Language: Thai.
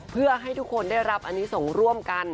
เพื่อให้ทุกคนได้รับอนิสงฆ์ร่วมกัน